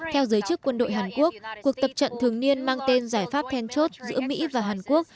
theo giới chức quân đội hàn quốc cuộc tập trận thường niên mang tên giải pháp then chốt giữa mỹ và hàn quốc